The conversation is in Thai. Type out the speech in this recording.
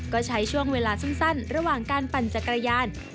ก็ใช้ช่วงเวลาสั้นระหว่างการปั่นจักรยาน